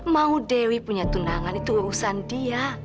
mau dewi punya tunangan itu urusan dia